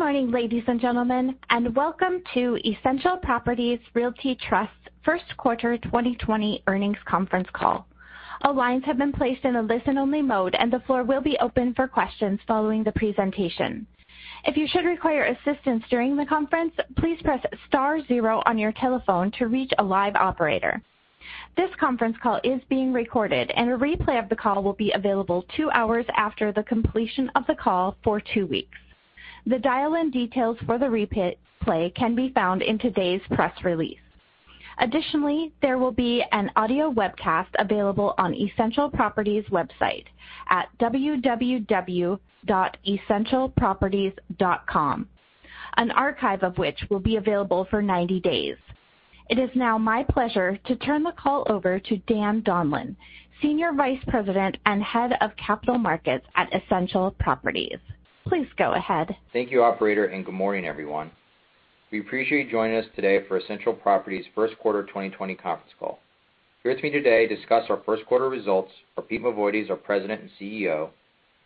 Good morning, ladies and gentlemen, and welcome to Essential Properties Realty Trust first quarter 2020 earnings conference call. Additionally, there will be an audio webcast available on Essential Properties website at www.essentialproperties.com, an archive of which will be available for 90 days. It is now my pleasure to turn the call over to Dan Donlan, Senior Vice President and Head of Capital Markets at Essential Properties. Please go ahead. Thank you operator, and good morning, everyone. We appreciate you joining us today for Essential Properties' first quarter 2020 conference call. Here with me today to discuss our first quarter results are Pete Mavoides, our President and CEO,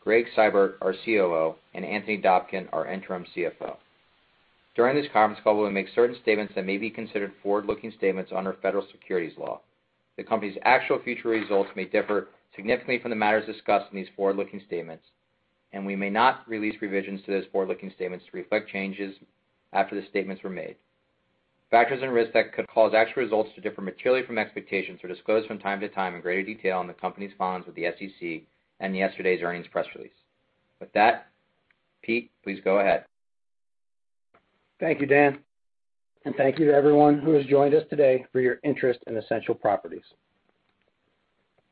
Gregg Seibert, our COO, and Anthony Dobkin, our Interim CFO. During this conference call, we will make certain statements that may be considered forward-looking statements under federal securities law. The company's actual future results may differ significantly from the matters discussed in these forward-looking statements, and we may not release revisions to those forward-looking statements to reflect changes after the statements were made. Factors and risks that could cause actual results to differ materially from expectations are disclosed from time to time in greater detail in the company's filings with the SEC and yesterday's earnings press release. With that, Pete, please go ahead. Thank you, Dan, and thank you to everyone who has joined us today for your interest in Essential Properties.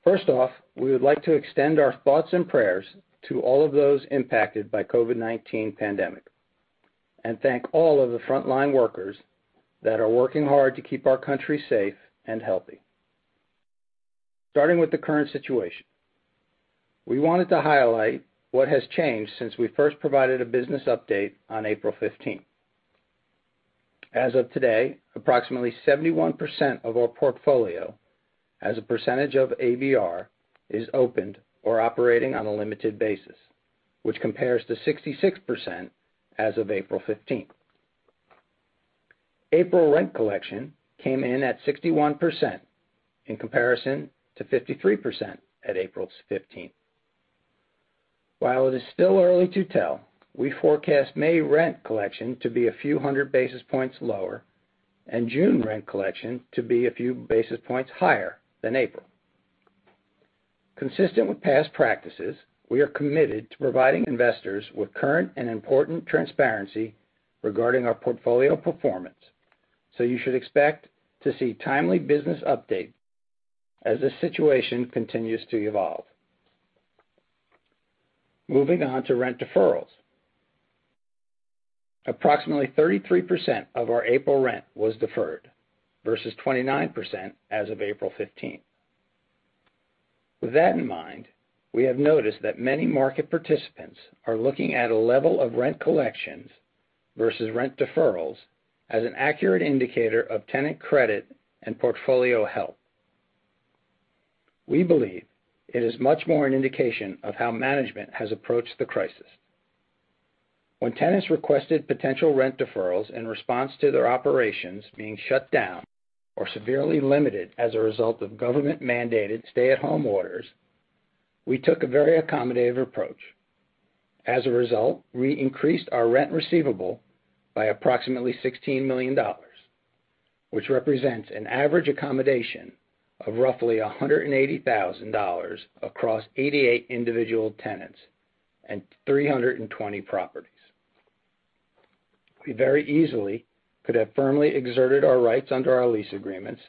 First off, we would like to extend our thoughts and prayers to all of those impacted by COVID-19 pandemic, and thank all of the frontline workers that are working hard to keep our country safe and healthy. Starting with the current situation, we wanted to highlight what has changed since we first provided a business update on April 15th. As of today, approximately 71% of our portfolio as a percentage of ABR is opened or operating on a limited basis, which compares to 66% as of April 15th. April rent collection came in at 61% in comparison to 53% at April 15th. While it is still early to tell, we forecast May rent collection to be a few hundred basis points lower, and June rent collection to be a few basis points higher than April. Consistent with past practices, we are committed to providing investors with current and important transparency regarding our portfolio performance. You should expect to see timely business update as the situation continues to evolve. Moving on to rent deferrals. Approximately 33% of our April rent was deferred versus 29% as of April 15th. With that in mind, we have noticed that many market participants are looking at a level of rent collections versus rent deferrals as an accurate indicator of tenant credit and portfolio health. We believe it is much more an indication of how management has approached the crisis. When tenants requested potential rent deferrals in response to their operations being shut down or severely limited as a result of government-mandated stay-at-home orders, we took a very accommodative approach. As a result, we increased our rent receivable by approximately $16 million, which represents an average accommodation of roughly $180,000 across 88 individual tenants and 320 properties. We very easily could have firmly exerted our rights under our lease agreements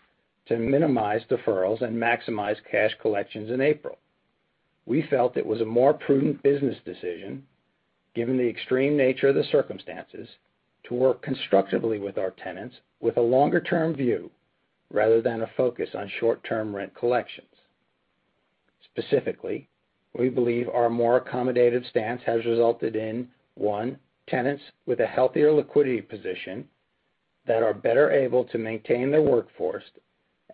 to minimize deferrals and maximize cash collections in April. We felt it was a more prudent business decision, given the extreme nature of the circumstances, to work constructively with our tenants with a longer-term view rather than a focus on short-term rent collections. Specifically, we believe our more accommodative stance has resulted in, one, tenants with a healthier liquidity position that are better able to maintain their workforce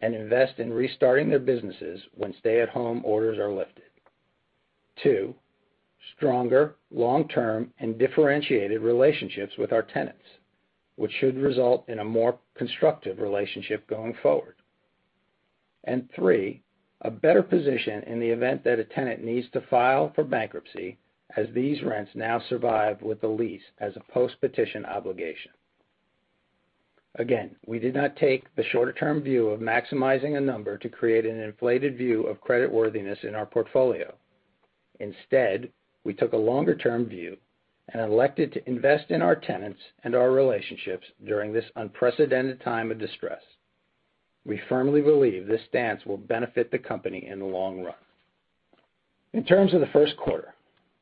and invest in restarting their businesses when stay-at-home orders are lifted. Two, stronger long-term and differentiated relationships with our tenants, which should result in a more constructive relationship going forward. Three, a better position in the event that a tenant needs to file for bankruptcy, as these rents now survive with the lease as a post-petition obligation. Again, we did not take the shorter-term view of maximizing a number to create an inflated view of creditworthiness in our portfolio. Instead, we took a longer-term view and elected to invest in our tenants and our relationships during this unprecedented time of distress. We firmly believe this stance will benefit the company in the long run. In terms of the first quarter,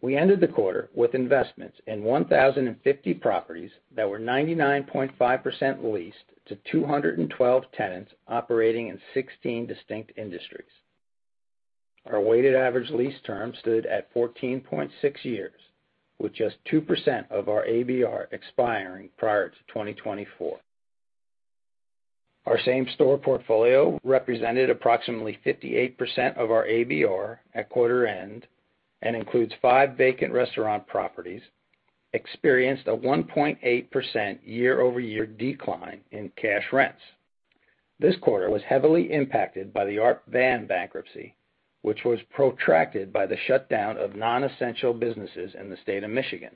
we ended the quarter with investments in 1,050 properties that were 99.5% leased to 212 tenants operating in 16 distinct industries. Our weighted average lease term stood at 14.6 years, with just 2% of our ABR expiring prior to 2024. Our same-store portfolio represented approximately 58% of our ABR at quarter end and includes five vacant restaurant properties experienced a 1.8% year-over-year decline in cash rents. This quarter was heavily impacted by the Art Van bankruptcy, which was protracted by the shutdown of non-essential businesses in the state of Michigan.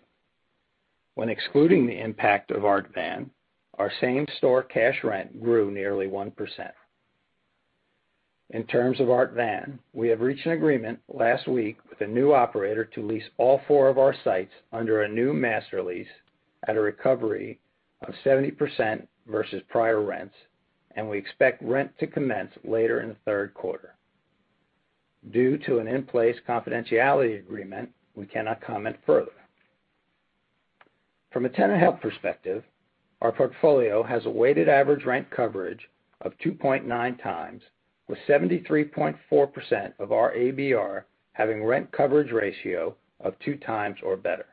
When excluding the impact of Art Van, our same-store cash rent grew nearly 1%. In terms of Art Van, we have reached an agreement last week with a new operator to lease all four of our sites under a new master lease at a recovery of 70% versus prior rents, and we expect rent to commence later in the third quarter. Due to an in-place confidentiality agreement, we cannot comment further. From a tenant health perspective, our portfolio has a weighted average rent coverage of 2.9x, with 73.4% of our ABR having rent coverage ratio of 2x or better.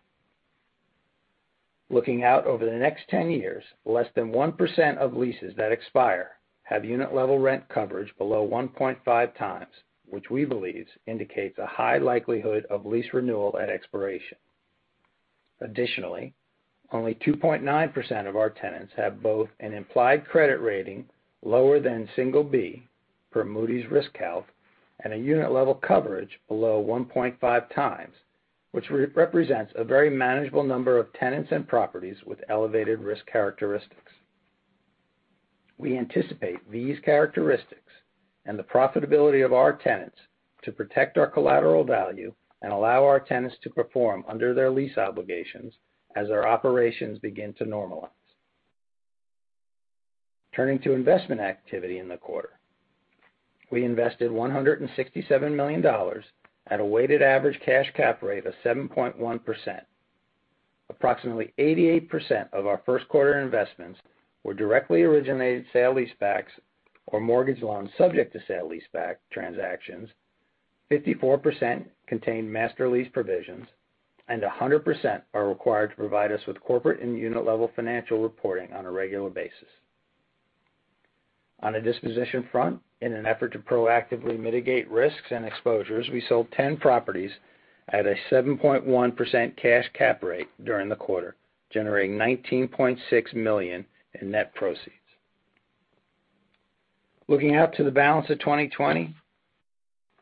Looking out over the next 10 years, less than 1% of leases that expire have unit-level rent coverage below 1.5x, which we believe indicates a high likelihood of lease renewal at expiration. Only 2.9% of our tenants have both an implied credit rating lower than single B per Moody's RiskCalc and a unit level coverage below 1.5x, which represents a very manageable number of tenants and properties with elevated risk characteristics. We anticipate these characteristics and the profitability of our tenants to protect our collateral value and allow our tenants to perform under their lease obligations as our operations begin to normalize. Turning to investment activity in the quarter. We invested $167 million at a weighted average cash cap rate of 7.1%. Approximately 88% of our first quarter investments were directly originated sale leasebacks or mortgage loans subject to sale leaseback transactions, 54% contained master lease provisions, and 100% are required to provide us with corporate and unit-level financial reporting on a regular basis. On the disposition front, in an effort to proactively mitigate risks and exposures, we sold 10 properties at a 7.1% cash cap rate during the quarter, generating $19.6 million in net proceeds. Looking out to the balance of 2020,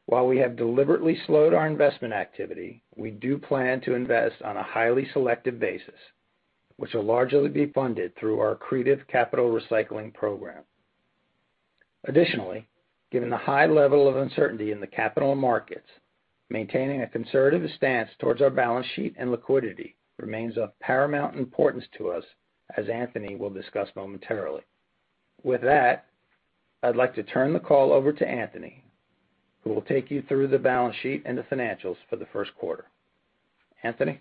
while we have deliberately slowed our investment activity, we do plan to invest on a highly selective basis, which will largely be funded through our accretive capital recycling program. Additionally, given the high level of uncertainty in the capital markets, maintaining a conservative stance towards our balance sheet and liquidity remains of paramount importance to us as Anthony will discuss momentarily. With that, I'd like to turn the call over to Anthony, who will take you through the balance sheet and the financials for the first quarter. Anthony?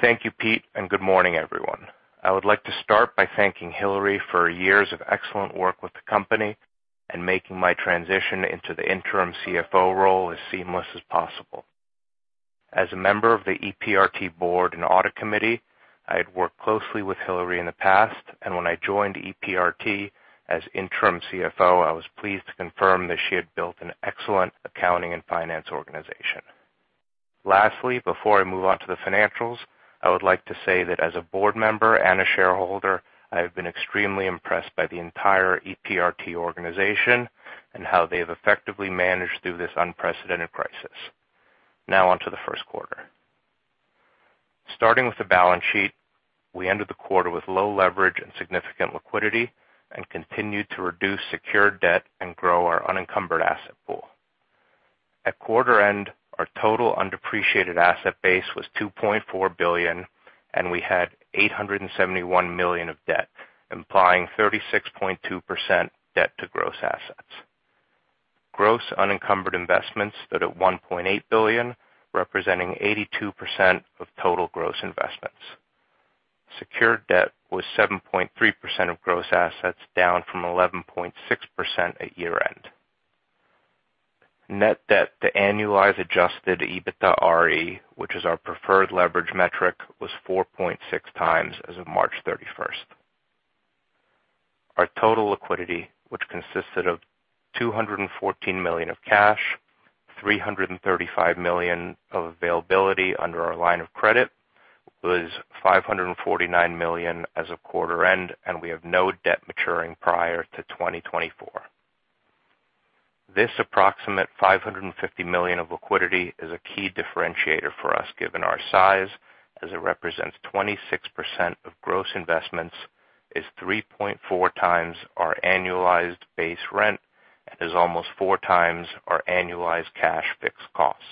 Thank you, Pete, and good morning, everyone. I would like to start by thanking Hillary for her years of excellent work with the company and making my transition into the Interim CFO role as seamless as possible. As a member of the EPRT board and audit committee, I had worked closely with Hillary in the past, and when I joined EPRT as Interim CFO, I was pleased to confirm that she had built an excellent accounting and finance organization. Lastly, before I move on to the financials, I would like to say that as a board member and a shareholder, I have been extremely impressed by the entire EPRT organization and how they've effectively managed through this unprecedented crisis. Now on to the first quarter. Starting with the balance sheet, we ended the quarter with low leverage and significant liquidity and continued to reduce secured debt and grow our unencumbered asset pool. At quarter end, our total undepreciated asset base was $2.4 billion, and we had $871 million of debt, implying 36.2% debt to gross assets. Gross unencumbered investments stood at $1.8 billion, representing 82% of total gross investments. Secured debt was 7.3% of gross assets, down from 11.6% at year-end. Net debt to annualized adjusted EBITDAre, which is our preferred leverage metric, was 4.6x as of March 31st. Our total liquidity, which consisted of $214 million of cash, $335 million of availability under our line of credit, was $549 million as of quarter end, and we have no debt maturing prior to 2024. This approximate $550 million of liquidity is a key differentiator for us given our size, as it represents 26% of gross investments, is 3.4x our annualized base rent, and is almost 4x our annualized cash fixed costs.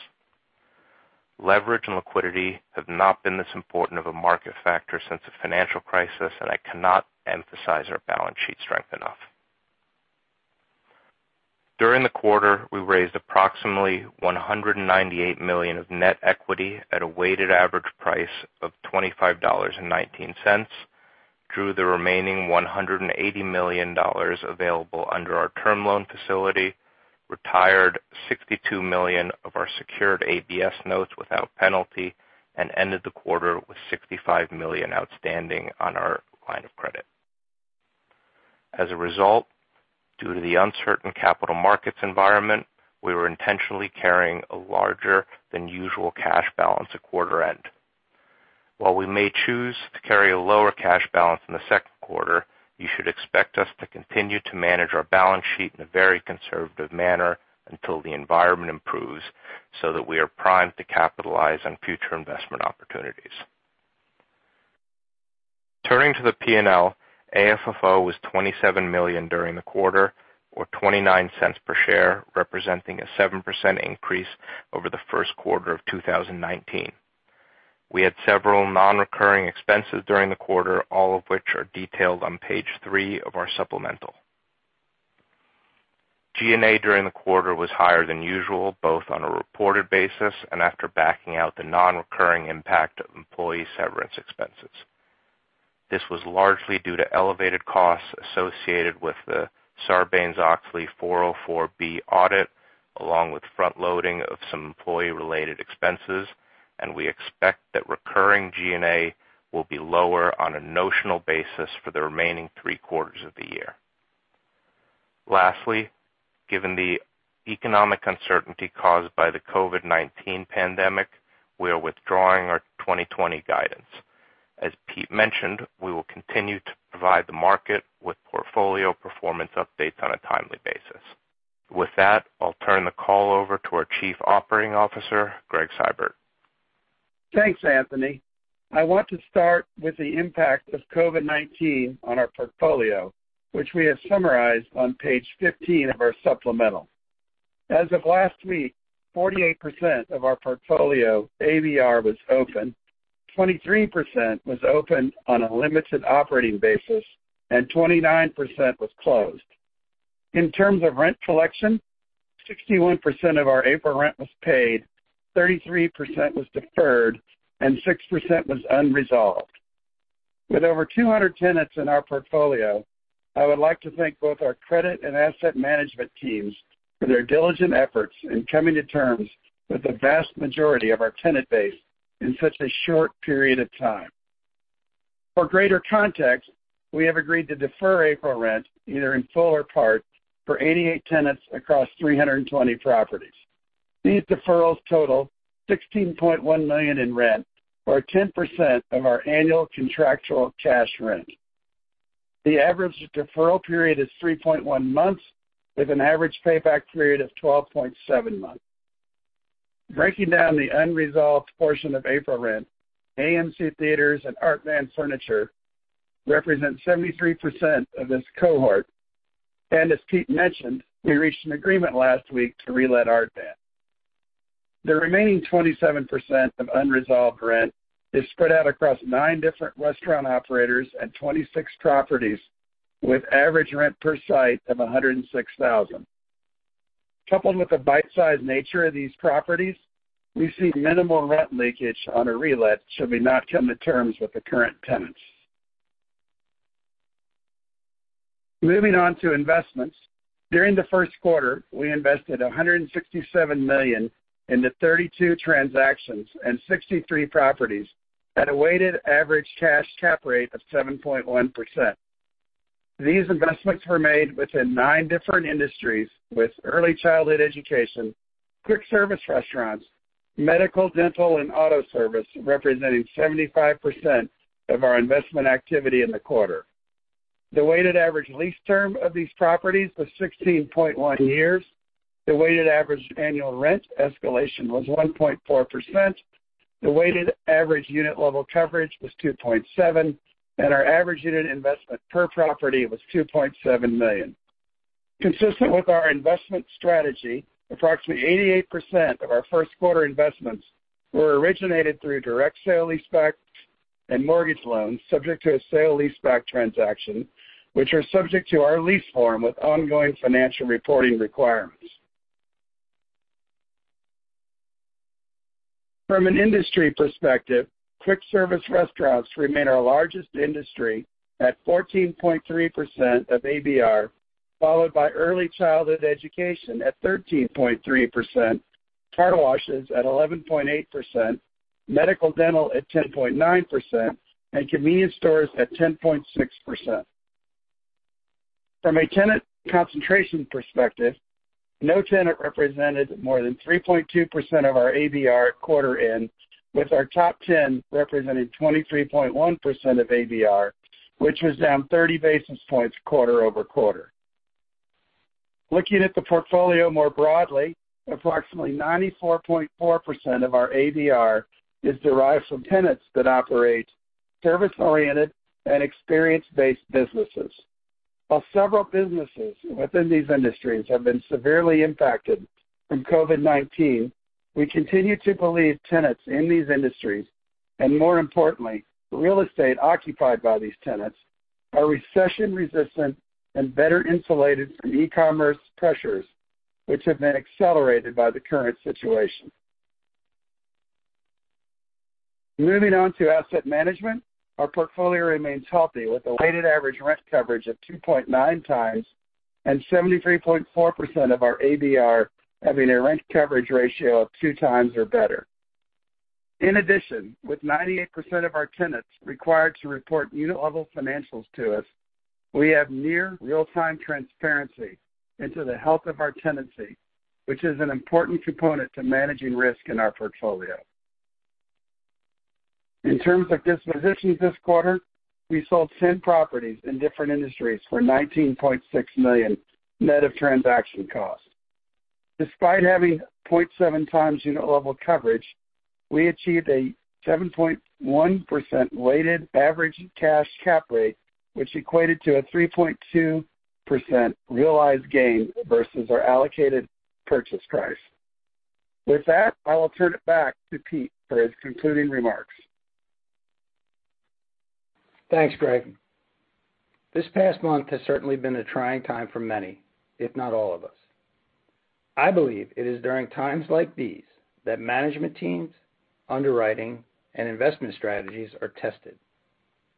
Leverage and liquidity have not been this important of a market factor since the financial crisis, and I cannot emphasize our balance sheet strength enough. During the quarter, we raised approximately $198 million of net equity at a weighted average price of $25.19, drew the remaining $180 million available under our term loan facility, retired $62 million of our secured ABS notes without penalty and ended the quarter with $65 million outstanding on our line of credit. As a result, due to the uncertain capital markets environment, we were intentionally carrying a larger than usual cash balance at quarter end. While we may choose to carry a lower cash balance in the second quarter, you should expect us to continue to manage our balance sheet in a very conservative manner until the environment improves so that we are primed to capitalize on future investment opportunities. Turning to the P&L, AFFO was $27 million during the quarter, or $0.29 per share, representing a 7% increase over the first quarter of 2019. We had several non-recurring expenses during the quarter, all of which are detailed on page three of our supplemental. G&A during the quarter was higher than usual, both on a reported basis and after backing out the non-recurring impact of employee severance expenses. This was largely due to elevated costs associated with the Sarbanes-Oxley Section 404 audit, along with front-loading of some employee-related expenses, and we expect that recurring G&A will be lower on a notional basis for the remaining three quarters of the year. Lastly, given the economic uncertainty caused by the COVID-19 pandemic, we are withdrawing our 2020 guidance. As Pete mentioned, we will continue to provide the market with portfolio performance updates on a timely basis. With that, I'll turn the call over to our Chief Operating Officer, Gregg Seibert. Thanks, Anthony. I want to start with the impact of COVID-19 on our portfolio, which we have summarized on page 15 of our supplemental. As of last week, 48% of our portfolio ABR was open, 23% was open on a limited operating basis, and 29% was closed. In terms of rent collection, 61% of our April rent was paid, 33% was deferred, and 6% was unresolved. With over 200 tenants in our portfolio, I would like to thank both our credit and asset management teams for their diligent efforts in coming to terms with the vast majority of our tenant base in such a short period of time. For greater context, we have agreed to defer April rent, either in full or part, for 88 tenants across 320 properties. These deferrals total $16.1 million in rent or 10% of our annual contractual cash rent. The average deferral period is 3.1 months, with an average payback period of 12.7 months. Breaking down the unresolved portion of April rent, AMC Theatres and Art Van Furniture represent 73% of this cohort. As Pete mentioned, we reached an agreement last week to relet Art Van. The remaining 27% of unresolved rent is spread out across nine different restaurant operators and 26 properties with average rent per site of $106,000. Coupled with the bite-size nature of these properties, we see minimal rent leakage on a relet should we not come to terms with the current tenants. Moving on to investments. During the first quarter, we invested $167 million into 32 transactions and 63 properties at a weighted average cash cap rate of 7.1%. These investments were made within nine different industries, with early childhood education, quick service restaurants, medical, dental, and auto service representing 75% of our investment activity in the quarter. The weighted average lease term of these properties was 16.1 years. The weighted average annual rent escalation was 1.4%. The weighted average unit level coverage was 2.7, and our average unit investment per property was $2.7 million. Consistent with our investment strategy, approximately 88% of our first quarter investments were originated through direct sale leaseback and mortgage loans subject to a sale leaseback transaction, which are subject to our lease form with ongoing financial reporting requirements. From an industry perspective, quick service restaurants remain our largest industry at 14.3% of ABR, followed by early childhood education at 13.3%, car washes at 11.8%, medical/dental at 10.9%, and convenience stores at 10.6%. From a tenant concentration perspective, no tenant represented more than 3.2% of our ABR quarter in, with our top 10 representing 23.1% of ABR, which was down 30 basis points quarter-over-quarter. Looking at the portfolio more broadly, approximately 94.4% of our ABR is derived from tenants that operate service-oriented and experience-based businesses. While several businesses within these industries have been severely impacted from COVID-19, we continue to believe tenants in these industries, and more importantly, the real estate occupied by these tenants, are recession-resistant and better insulated from e-commerce pressures, which have been accelerated by the current situation. Moving on to asset management. Our portfolio remains healthy with a weighted average rent coverage of 2.9x and 73.4% of our ABR having a rent coverage ratio of 2x or better. In addition, with 98% of our tenants required to report unit-level financials to us, we have near real-time transparency into the health of our tenancy, which is an important component to managing risk in our portfolio. In terms of dispositions this quarter, we sold 10 properties in different industries for $19.6 million net of transaction costs. Despite having 0.7x unit level coverage, we achieved a 7.1% weighted average cash cap rate, which equated to a 3.2% realized gain versus our allocated purchase price. With that, I will turn it back to Pete for his concluding remarks. Thanks, Greg. This past month has certainly been a trying time for many, if not all of us. I believe it is during times like these that management teams, underwriting, and investment strategies are tested.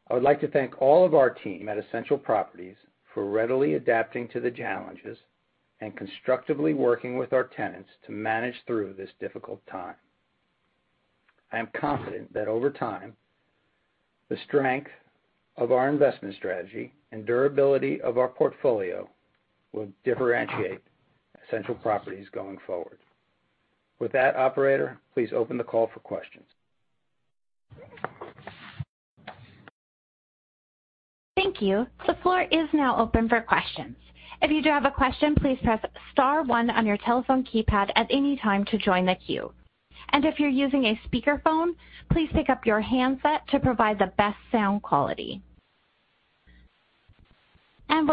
I would like to thank all of our team at Essential Properties for readily adapting to the challenges and constructively working with our tenants to manage through this difficult time. I am confident that over time, the strength of our investment strategy and durability of our portfolio will differentiate Essential Properties going forward. With that, operator, please open the call for questions. Thank you. The floor is now open for questions. We'll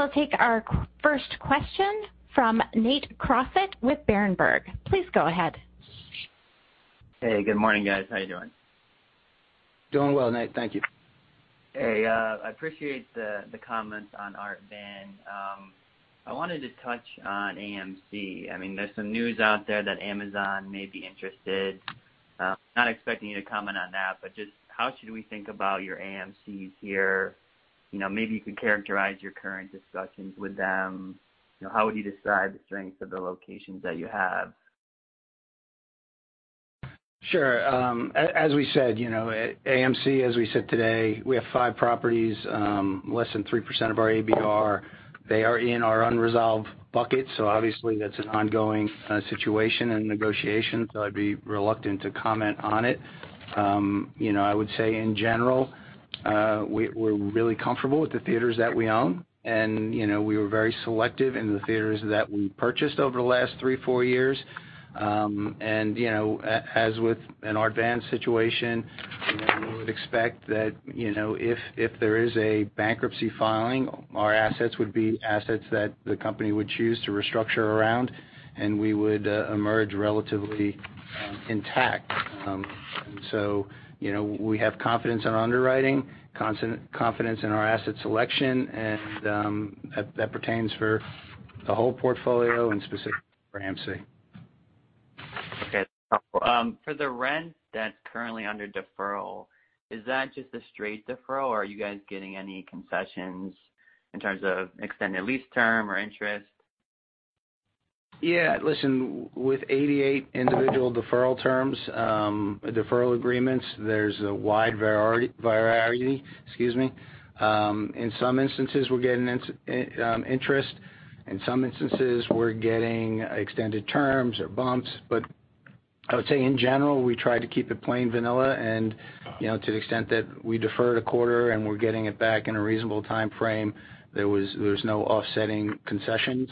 take our first question from Nate Crossett with Berenberg. Please go ahead. Hey, good morning, guys. How are you doing? Doing well, Nate. Thank you. Hey, I appreciate the comments on Art Van. I wanted to touch on AMC. There's some news out there that Amazon may be interested. Not expecting you to comment on that, but just how should we think about your AMCs here? Maybe you could characterize your current discussions with them. How would you describe the strength of the locations that you have? Sure. As we said, AMC, as we said today, we have five properties, less than 3% of our ABR. They are in our unresolved bucket, obviously that's an ongoing situation and negotiation, I'd be reluctant to comment on it. I would say in general, we're really comfortable with the theaters that we own, we were very selective in the theaters that we purchased over the last three, four years. As with an Art Van situation, we would expect that if there is a bankruptcy filing, our assets would be assets that the company would choose to restructure around, we would emerge relatively intact. We have confidence in our underwriting, confidence in our asset selection, that pertains for the whole portfolio and specifically for AMC. Okay. That's helpful. For the rent that's currently under deferral, is that just a straight deferral, or are you guys getting any concessions in terms of extended lease term or interest? Yeah. Listen, with 88 individual deferral terms, deferral agreements, there's a wide variety. In some instances, we're getting interest. In some instances, we're getting extended terms or bumps. I would say in general, we try to keep it plain vanilla, and to the extent that we deferred a quarter and we're getting it back in a reasonable timeframe, there was no offsetting concessions.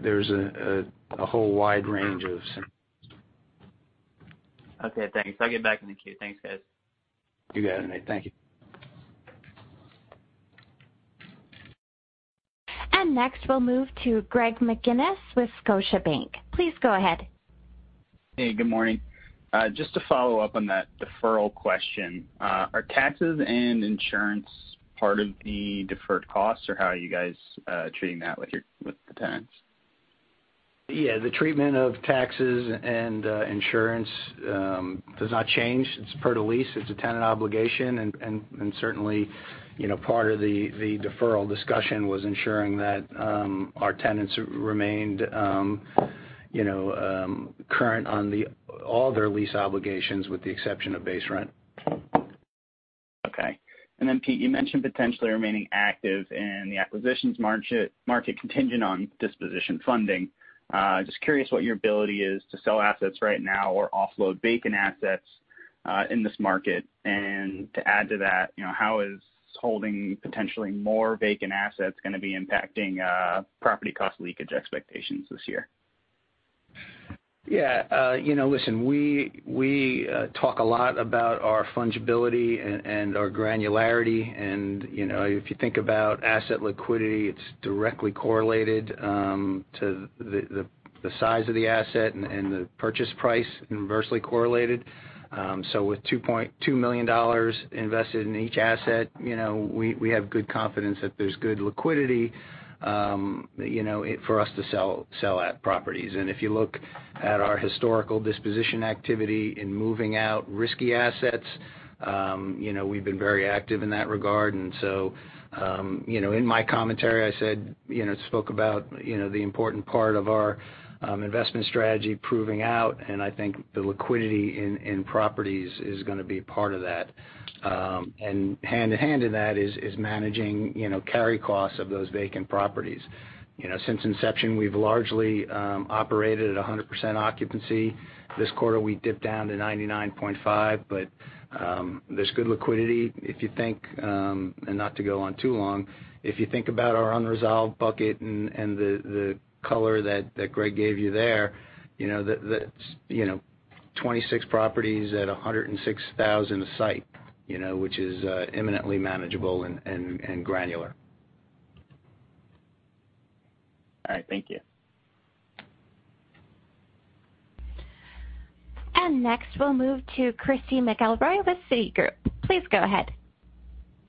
There's a whole wide range of some. Okay, thanks. I'll get back in the queue. Thanks, guys. You got it, Nate. Thank you. Next we'll move to Greg McGinniss with Scotiabank. Please go ahead. Hey, good morning. Just to follow up on that deferral question. Are taxes and insurance part of the deferred costs, or how are you guys treating that with the tenants? Yeah, the treatment of taxes and insurance does not change. It's per the lease. It's a tenant obligation, and certainly, part of the deferral discussion was ensuring that our tenants remained current on all their lease obligations with the exception of base rent. Okay. Then Pete, you mentioned potentially remaining active in the acquisitions market contingent on disposition funding. Just curious what your ability is to sell assets right now or offload vacant assets in this market. To add to that, how is holding potentially more vacant assets going to be impacting property cost leakage expectations this year? Yeah. Listen, we talk a lot about our fungibility and our granularity. If you think about asset liquidity, it's directly correlated to the size of the asset and the purchase price inversely correlated. With $2.2 million invested in each asset, we have good confidence that there's good liquidity for us to sell properties. If you look at our historical disposition activity in moving out risky assets, we've been very active in that regard. In my commentary, I spoke about the important part of our investment strategy proving out, and I think the liquidity in properties is going to be part of that. Hand in hand in that is managing carry costs of those vacant properties. Since inception, we've largely operated at 100% occupancy. This quarter, we dipped down to 99.5%, but there's good liquidity. Not to go on too long, if you think about our unresolved bucket and the color that Gregg gave you there, that's 26 properties at $106,000 a site which is imminently manageable and granular. All right. Thank you. Next, we'll move to Christy McElroy with Citigroup. Please go ahead.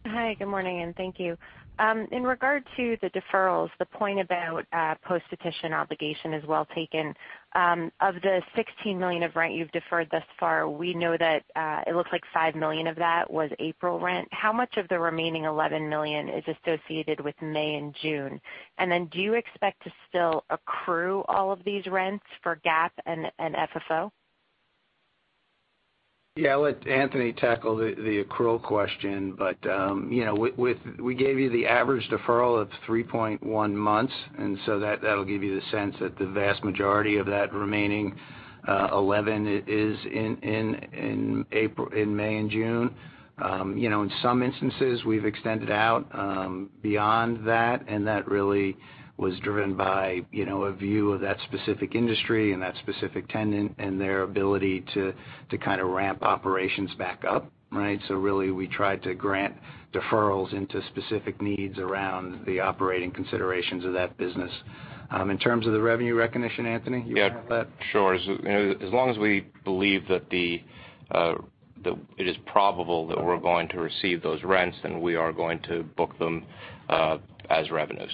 Hi, good morning, and thank you. In regard to the deferrals, the point about post-petition obligation is well taken. Of the $16 million of rent you've deferred thus far, we know that it looks like $5 million of that was April rent. How much of the remaining $11 million is associated with May and June? Do you expect to still accrue all of these rents for GAAP and FFO? Yeah. I'll let Anthony tackle the accrual question. We gave you the average deferral of 3.1 months, and so that'll give you the sense that the vast majority of that remaining 11 is in May and June. In some instances, we've extended out beyond that, and that really was driven by a view of that specific industry and that specific tenant and their ability to kind of ramp operations back up. Right? Really, we tried to grant deferrals into specific needs around the operating considerations of that business. In terms of the revenue recognition, Anthony, you want to add to that? Sure. As long as we believe that it is probable that we're going to receive those rents, then we are going to book them as revenues.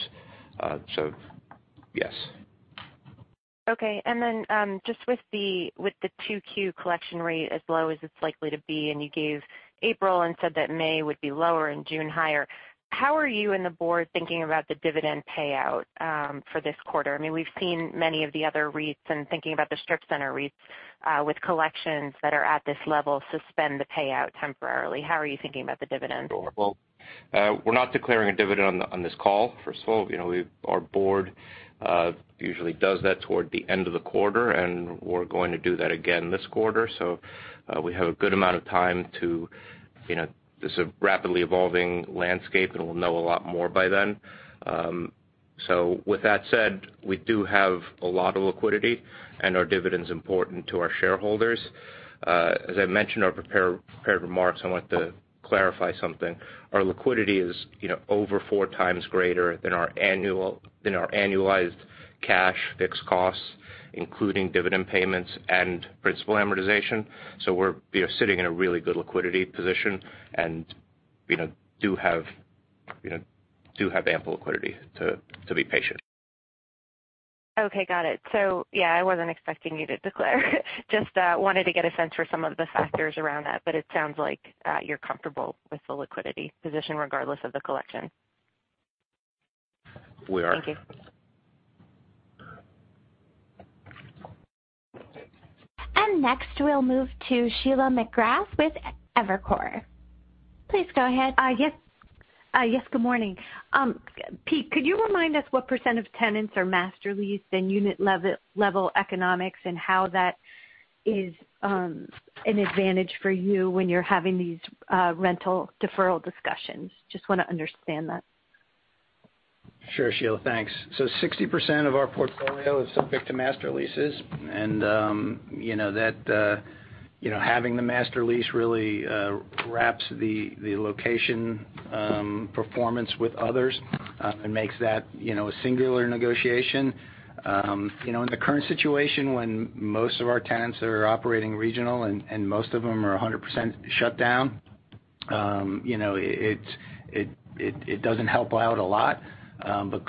Yes. Okay. Just with the 2Q collection rate as low as it's likely to be, and you gave April and said that May would be lower and June higher, how are you and the board thinking about the dividend payout for this quarter? We've seen many of the other REITs and thinking about the strip center REITs with collections that are at this level suspend the payout temporarily. How are you thinking about the dividend? Sure. Well, we're not declaring a dividend on this call, first of all. Our board usually does that toward the end of the quarter. We're going to do that again this quarter. We have a good amount of time. This is a rapidly evolving landscape. We'll know a lot more by then. With that said, we do have a lot of liquidity. Our dividend's important to our shareholders. As I mentioned in our prepared remarks, I want to clarify something. Our liquidity is over 4x greater than our annualized cash fixed costs, including dividend payments and principal amortization. We're sitting in a really good liquidity position. We do have ample liquidity to be patient. Okay. Got it. Yeah, I wasn't expecting you to declare just wanted to get a sense for some of the factors around that. But it sounds like you're comfortable with the liquidity position regardless of the collection. We are. Thank you. Next, we'll move to Sheila McGrath with Evercore. Please go ahead. Yes. Good morning. Pete, could you remind us what % of tenants are master leased and unit level economics and how that is an advantage for you when you're having these rental deferral discussions? Just want to understand that. Sure, Sheila. Thanks. 60% of our portfolio is subject to master leases, and having the master lease really wraps the location performance with others and makes that a singular negotiation. In the current situation, when most of our tenants are operating regional and most of them are 100% shut down, it doesn't help out a lot.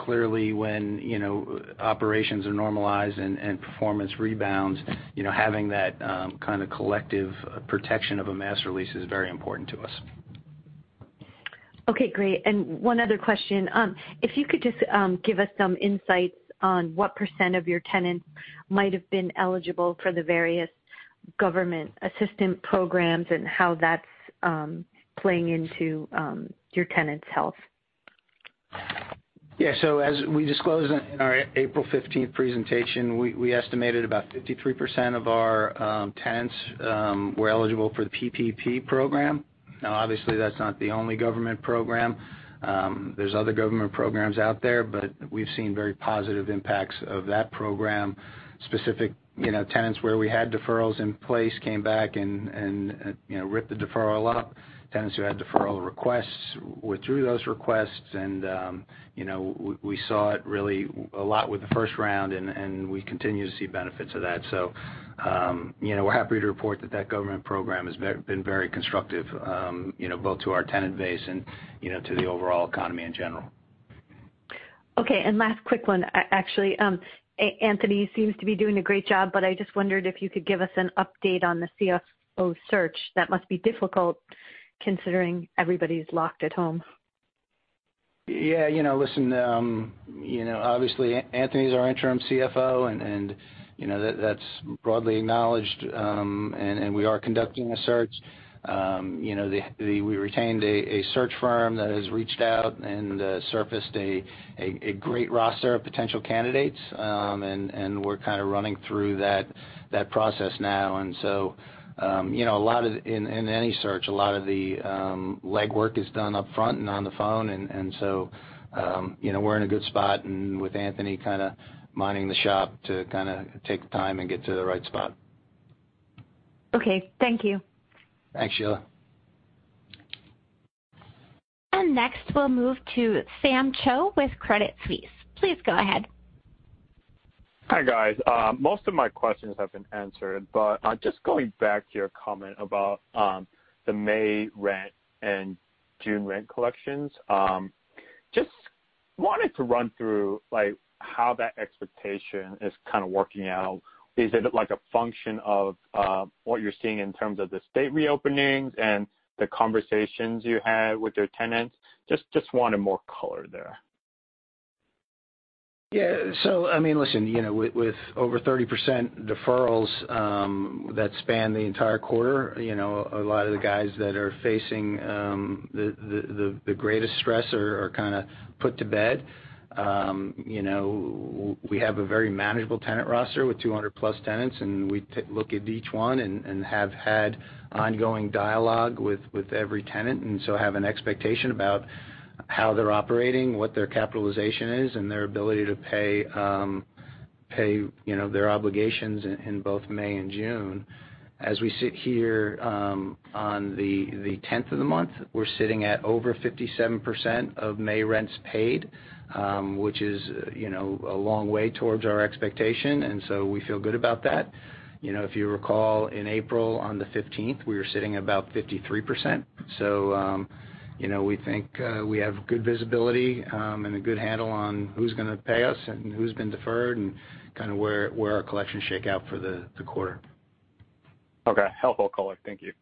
Clearly, when operations are normalized and performance rebounds, having that kind of collective protection of a master lease is very important to us. Okay. Great. One other question. If you could just give us some insights on what % of your tenants might have been eligible for the various government assistance programs and how that's playing into your tenants' health. As we disclosed in our April 15th presentation, we estimated about 53% of our tenants were eligible for the PPP program. Obviously that's not the only government program. There's other government programs out there, but we've seen very positive impacts of that program. Specific tenants where we had deferrals in place came back and ripped the deferral up. Tenants who had deferral requests withdrew those requests and we saw it really a lot with the first round, and we continue to see benefits of that. We're happy to report that that government program has been very constructive both to our tenant base and to the overall economy in general. Okay, last quick one. Actually, Anthony seems to be doing a great job, but I just wondered if you could give us an update on the CFO search. That must be difficult considering everybody's locked at home. Yeah. Listen, obviously Anthony's our interim CFO, and that's broadly acknowledged. We are conducting a search. We retained a search firm that has reached out and surfaced a great roster of potential candidates. We're kind of running through that process now. In any search, a lot of the legwork is done upfront and on the phone. We're in a good spot and with Anthony kind of minding the shop to kind of take the time and get to the right spot. Okay. Thank you. Thanks, Sheila. Next we'll move to Sam Cho with Credit Suisse. Please go ahead. Hi, guys. Most of my questions have been answered, but just going back to your comment about the May rent and June rent collections, just wanted to run through how that expectation is kind of working out. Is it like a function of what you're seeing in terms of the state reopenings and the conversations you had with your tenants? Just wanted more color there. Listen, with over 30% deferrals that span the entire quarter, a lot of the guys that are facing the greatest stress are kind of put to bed. We have a very manageable tenant roster with 200+ tenants, and we look at each one and have had ongoing dialogue with every tenant, have an expectation about how they're operating, what their capitalization is, and their ability to pay their obligations in both May and June. As we sit here on the 10th of the month, we're sitting at over 57% of May rents paid, which is a long way towards our expectation, we feel good about that. If you recall, in April on the 15th, we were sitting at about 53%. We think we have good visibility and a good handle on who's going to pay us and who's been deferred and kind of where our collections shake out for the quarter. Okay. Helpful color. Thank you.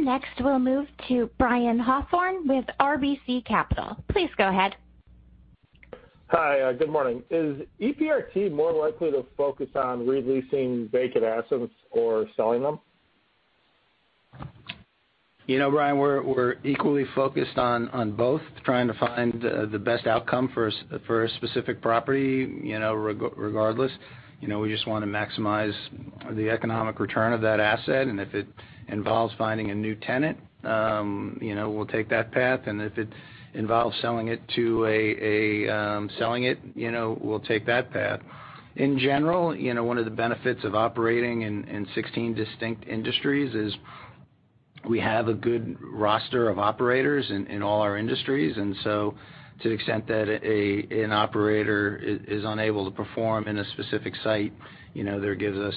Next, we'll move to Brian Hawthorne with RBC Capital. Please go ahead. Hi, good morning. Is EPRT more likely to focus on re-leasing vacant assets or selling them? Brian, we're equally focused on both, trying to find the best outcome for a specific property regardless. We just want to maximize the economic return of that asset, if it involves finding a new tenant, we'll take that path. If it involves selling it, we'll take that path. In general, one of the benefits of operating in 16 distinct industries is we have a good roster of operators in all our industries. To the extent that an operator is unable to perform in a specific site, that gives us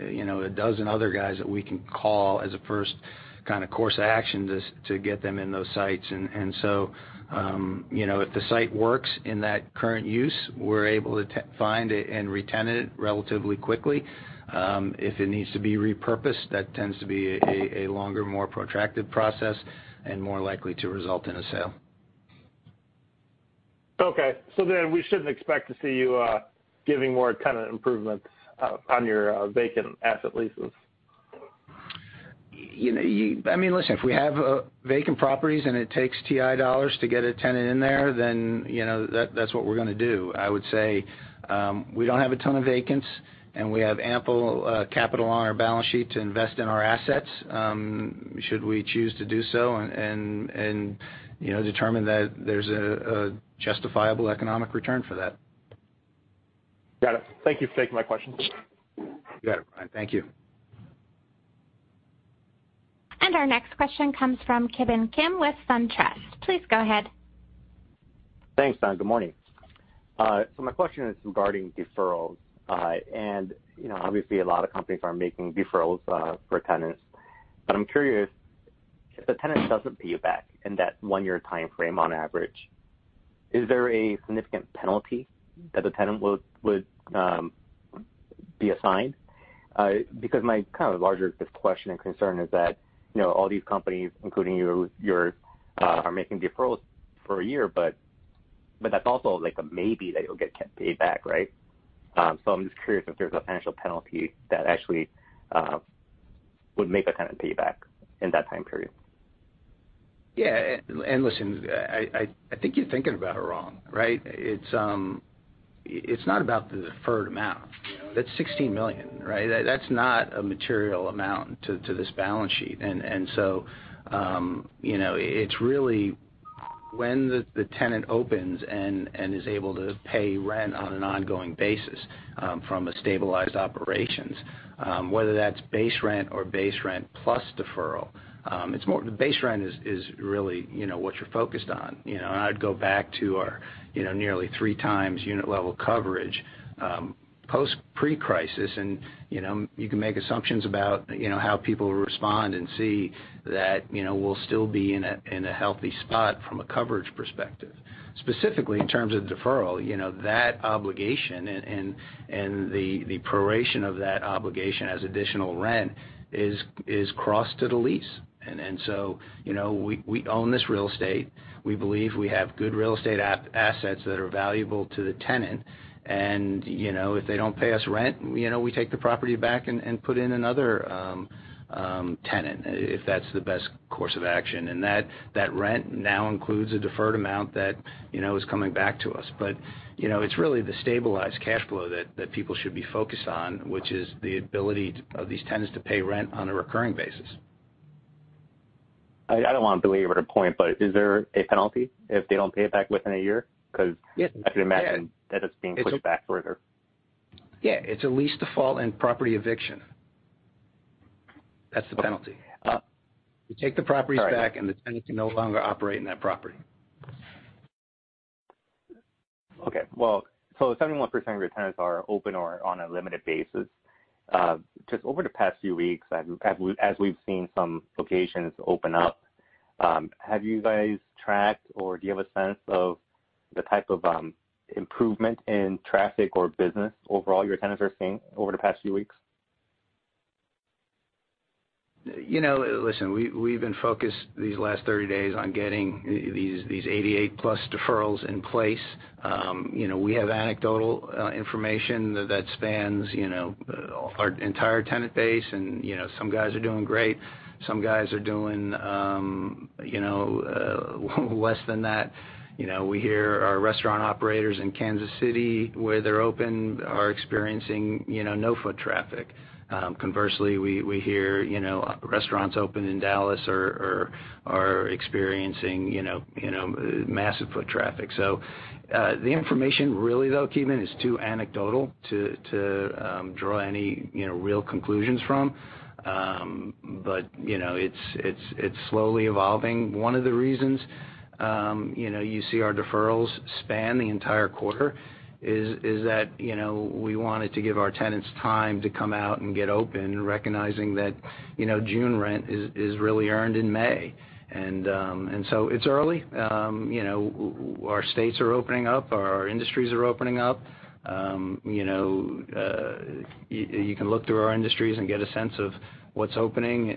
a dozen other guys that we can call as a first kind of course action to get them in those sites. If the site works in that current use, we're able to find it and re-tenant it relatively quickly. If it needs to be repurposed, that tends to be a longer, more protracted process and more likely to result in a sale. We shouldn't expect to see you giving more kind of improvements on your vacant asset leases. Listen, if we have vacant properties and it takes TI dollars to get a tenant in there, that's what we're going to do. I would say we don't have a ton of vacants, and we have ample capital on our balance sheet to invest in our assets should we choose to do so and determine that there's a justifiable economic return for that. Got it. Thank you for taking my question. You got it, Brian. Thank you. Our next question comes from Ki Bin Kim with SunTrust. Please go ahead. Thanks. Good morning. My question is regarding deferrals. Obviously a lot of companies are making deferrals for tenants, but I'm curious if the tenant doesn't pay you back in that one-year timeframe on average, is there a significant penalty that the tenant would be assigned? My kind of larger question and concern is that all these companies, including yours, are making deferrals for a year but that's also a maybe that you'll get paid back, right? I'm just curious if there's a financial penalty that actually would make a tenant pay you back in that time period. Listen, I think you're thinking about it wrong, right? It's not about the deferred amount. That's $16 million, right? That's not a material amount to this balance sheet. It's really when the tenant opens and is able to pay rent on an ongoing basis from a stabilized operations, whether that's base rent or base rent plus deferral. The base rent is really what you're focused on. I'd go back to our nearly 3x unit level coverage, post pre-crisis, and you can make assumptions about how people respond and see that we'll still be in a healthy spot from a coverage perspective. Specifically, in terms of deferral, that obligation and the proration of that obligation as additional rent is crossed to the lease. We own this real estate. We believe we have good real estate assets that are valuable to the tenant. If they don't pay us rent, we take the property back and put in another tenant if that's the best course of action. That rent now includes a deferred amount that is coming back to us. It's really the stabilized cash flow that people should be focused on, which is the ability of these tenants to pay rent on a recurring basis. I don't want to belabor the point, but is there a penalty if they don't pay it back within a year? Yes. Yeah. I could imagine that it's being pushed back further. Yeah. It's a lease default and property eviction. That's the penalty. Okay. All right. We take the properties back, and the tenant can no longer operate in that property. Okay. Well, 71% of your tenants are open or on a limited basis. Just over the past few weeks, as we've seen some locations open up, have you guys tracked, or do you have a sense of the type of improvement in traffic or business overall your tenants are seeing over the past few weeks? Listen, we've been focused these last 30 days on getting these 88+ deferrals in place. We have anecdotal information that spans our entire tenant base. Some guys are doing great. Some guys are doing less than that. We hear our restaurant operators in Kansas City, where they're open, are experiencing no foot traffic. Conversely, we hear restaurants open in Dallas are experiencing massive foot traffic. The information really though, Ki Bin, is too anecdotal to draw any real conclusions from. It's slowly evolving. One of the reasons you see our deferrals span the entire quarter is that we wanted to give our tenants time to come out and get open, recognizing that June rent is really earned in May. It's early. Our states are opening up. Our industries are opening up. You can look through our industries and get a sense of what's opening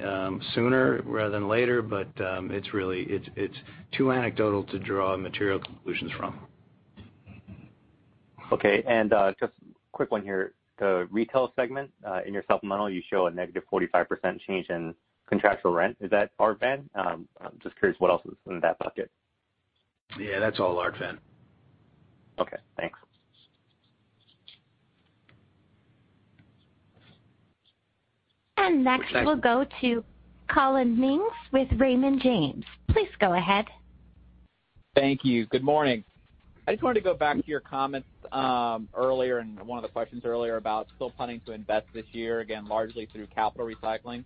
sooner rather than later. It's too anecdotal to draw material conclusions from. Okay. Just quick one here. The retail segment, in your supplemental, you show a -45% change in contractual rent. Is that Art Van? I'm just curious what else is in that bucket. Yeah, that's all Art Van. Okay, thanks. Next we'll go to Collin Mings with Raymond James. Please go ahead. Thank you. Good morning. I just wanted to go back to your comments earlier, and one of the questions earlier about still planning to invest this year, again, largely through capital recycling.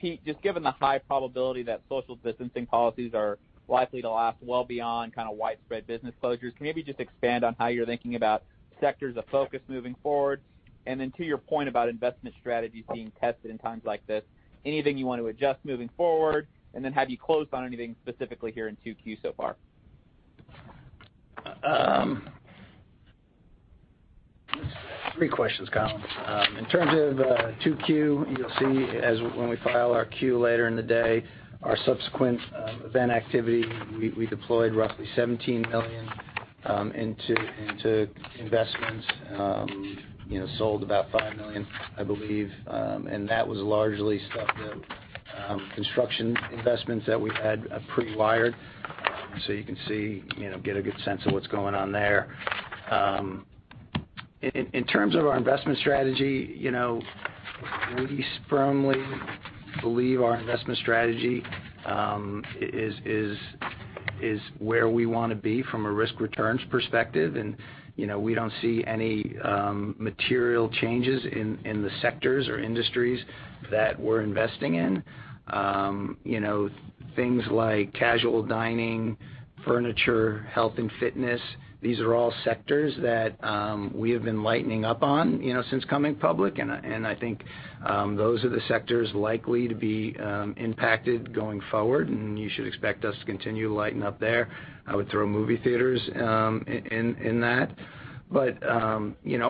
Pete, just given the high probability that social distancing policies are likely to last well beyond widespread business closures, can you maybe just expand on how you're thinking about sectors of focus moving forward? To your point about investment strategies being tested in times like this, anything you want to adjust moving forward? Have you closed on anything specifically here in 2Q so far? Three questions, Collin. In terms of 2Q, you'll see as when we file our Q later in the day, our subsequent event activity, we deployed roughly $17 million into investments. Sold about $5 million, I believe. That was largely stuff that construction investments that we had pre-wired. You can see, get a good sense of what's going on there. In terms of our investment strategy, we firmly believe our investment strategy is where we want to be from a risk returns perspective. We don't see any material changes in the sectors or industries that we're investing in. Things like casual dining, furniture, health and fitness, these are all sectors that we have been lightening up on since coming public, and I think those are the sectors likely to be impacted going forward, and you should expect us to continue to lighten up there. I would throw movie theaters in that.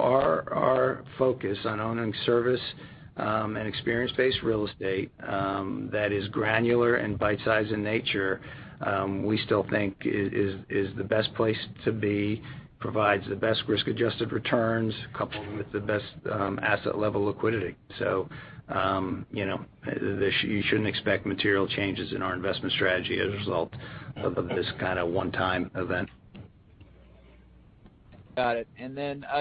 Our focus on owning service and experience-based real estate that is granular and bite-size in nature, we still think is the best place to be, provides the best risk-adjusted returns coupled with the best asset level liquidity. You shouldn't expect material changes in our investment strategy as a result of this kind of one-time event. Got it.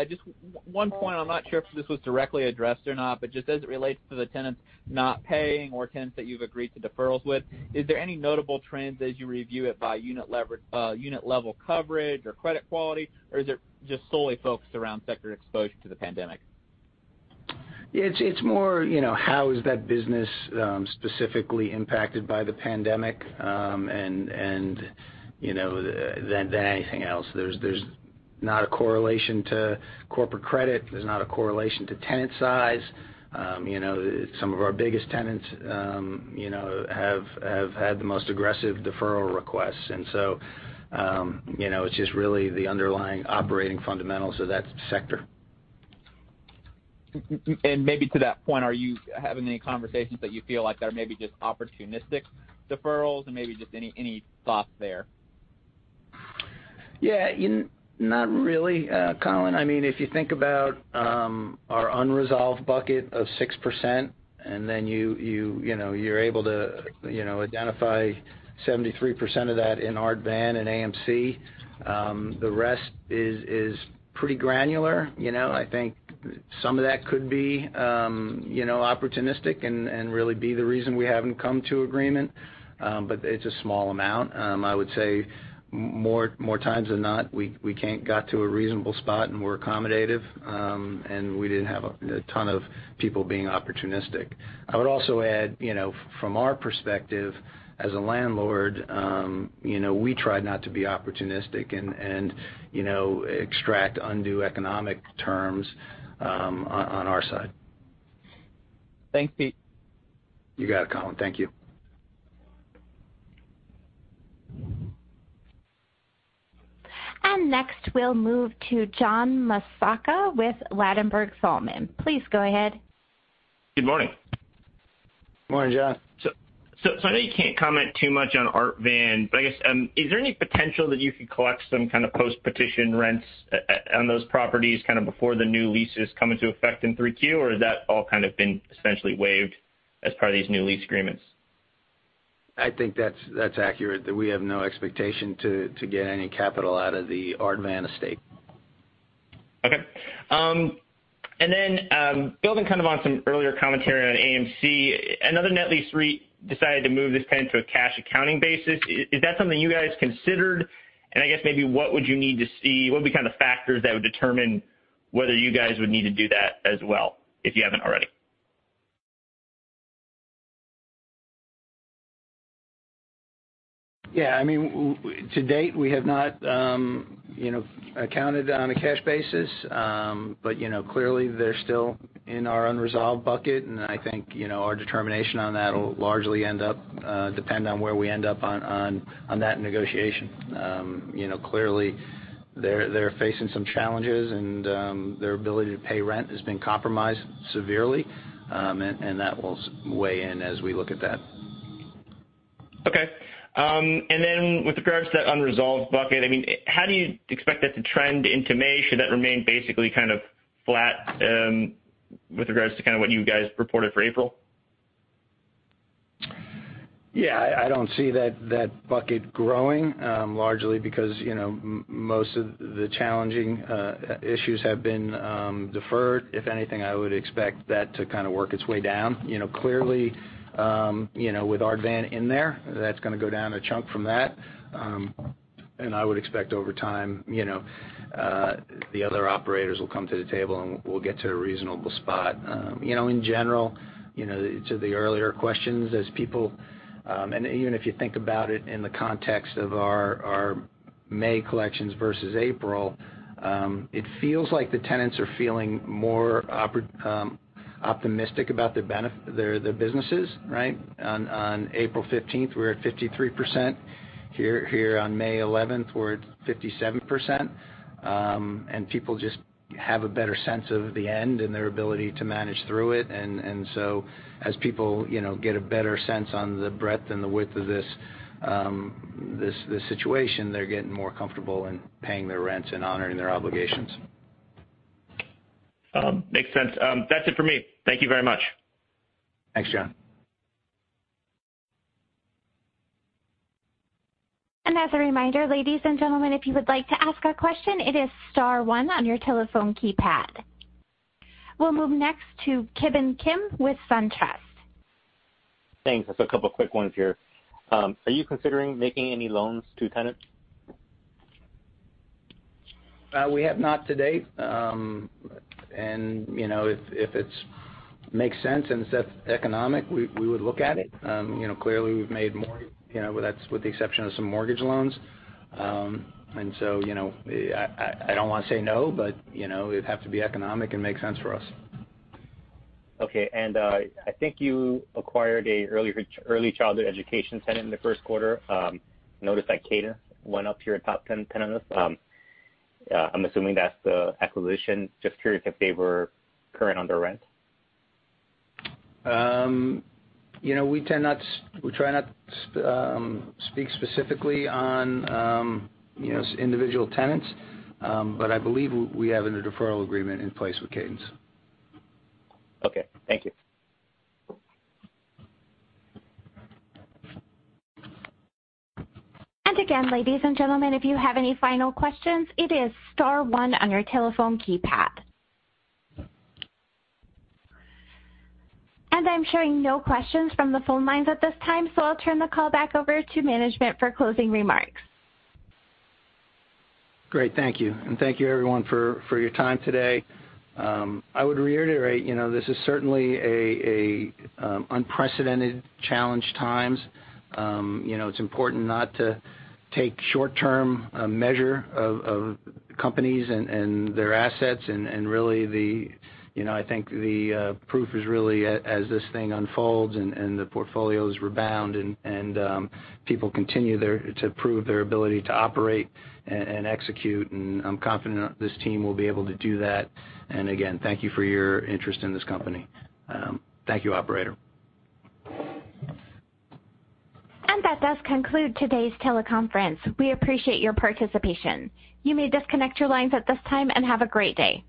Just one point, I'm not sure if this was directly addressed or not, but just as it relates to the tenants not paying or tenants that you've agreed to deferrals with, is there any notable trends as you review it by unit-level coverage or credit quality? Or is it just solely focused around sector exposure to the pandemic? Yeah, it's more how is that business specifically impacted by the pandemic than anything else. There's not a correlation to corporate credit. There's not a correlation to tenant size. Some of our biggest tenants have had the most aggressive deferral requests. It's just really the underlying operating fundamentals of that sector. Maybe to that point, are you having any conversations that you feel like are maybe just opportunistic deferrals and maybe just any thought there? Not really, Collin. If you think about our unresolved bucket of 6%, and then you're able to identify 73% of that in Art Van and AMC. The rest is pretty granular. I think some of that could be opportunistic and really be the reason we haven't come to agreement. It's a small amount. I would say more times than not, we got to a reasonable spot, and we're accommodative, and we didn't have a ton of people being opportunistic. I would also add, from our perspective as a landlord, we try not to be opportunistic and extract undue economic terms on our side. Thanks, Pete. You got it, Collin. Thank you. Next, we'll move to John Massocca with Ladenburg Thalmann. Please go ahead. Good morning. Morning, John. I know you can't comment too much on Art Van, but I guess, is there any potential that you could collect some kind of post-petition rents on those properties before the new leases come into effect in 3Q? Has that all kind of been essentially waived as part of these new lease agreements? I think that's accurate, that we have no expectation to get any capital out of the Art Van estate. Okay. Building kind of on some earlier commentary on AMC, another net lease REIT decided to move this tenant to a cash accounting basis. Is that something you guys considered? I guess maybe what would you need to see? What would be kind of factors that would determine whether you guys would need to do that as well if you haven't already? Yeah. To date, we have not accounted on a cash basis. Clearly, they're still in our unresolved bucket, I think our determination on that'll largely end up depend on where we end up on that negotiation. Clearly, they're facing some challenges, and their ability to pay rent has been compromised severely. That will weigh in as we look at that. Okay. With regards to that unresolved bucket, how do you expect that to trend into May? Should that remain basically kind of flat with regards to kind of what you guys reported for April? I don't see that bucket growing, largely because most of the challenging issues have been deferred. If anything, I would expect that to kind of work its way down. Clearly, with Art Van in there, that's going to go down a chunk from that. I would expect over time the other operators will come to the table, and we'll get to a reasonable spot. In general, to the earlier questions, even if you think about it in the context of our May collections versus April, it feels like the tenants are feeling more optimistic about their businesses, right? On April 15th, we were at 53%. Here on May 11th, we're at 57%. People just have a better sense of the end and their ability to manage through it. As people get a better sense on the breadth and the width of this situation, they're getting more comfortable in paying their rents and honoring their obligations. Makes sense. That's it for me. Thank you very much. Thanks, John. As a reminder, ladies and gentlemen, if you would like to ask a question, it is star one on your telephone keypad. We'll move next to Ki Bin Kim with SunTrust. Thanks. Just a couple quick ones here. Are you considering making any loans to tenants? We have not to date. If it makes sense and it's economic, we would look at it. Clearly, that's with the exception of some mortgage loans. I don't want to say no, but it would have to be economic and make sense for us. Okay. I think you acquired a early childhood education tenant in the first quarter. Noticed that Cadence went up to your top 10 tenants. I'm assuming that's the acquisition. Just curious if they were current on their rent. We try not to speak specifically on individual tenants. I believe we have a deferral agreement in place with Cadence. Okay. Thank you. I'm showing no questions from the phone lines at this time, so I'll turn the call back over to management for closing remarks. Great. Thank you. Thank you everyone for your time today. I would reiterate, this is certainly an unprecedented challenge times. It's important not to take short-term measure of companies and their assets. Really I think the proof is really as this thing unfolds and the portfolios rebound and people continue to prove their ability to operate and execute, and I'm confident this team will be able to do that. Again, thank you for your interest in this company. Thank you, operator. That does conclude today's teleconference. We appreciate your participation. You may disconnect your lines at this time, and have a great day.